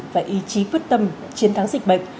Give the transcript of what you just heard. và ý chí quyết tâm chiến thắng dịch bệnh